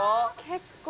結構。